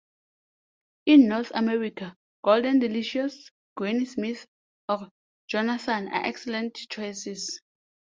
In North America, Golden Delicious, Granny Smith, or Jonathan are excellent choices.